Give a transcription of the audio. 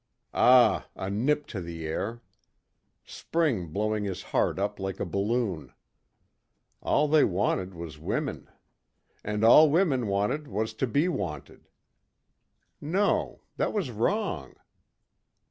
Ah, a nip to the air. Spring blowing his heart up like a balloon. All they wanted was women. And all women wanted was to be wanted. No. That was wrong.